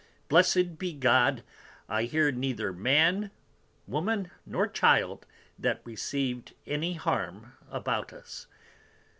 Blessed be God, I hear neither Man, Woman nor Child that received any harm about us.